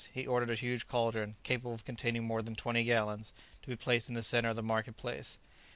He ordered a huge caldron, capable of containing more than twenty gallons, to be placed in the centre of the market place.